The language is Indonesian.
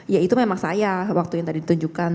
ya itu memang saya waktu yang tadi ditunjukkan